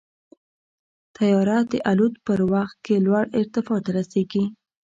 طیاره د الوت په وخت کې لوړ ارتفاع ته رسېږي.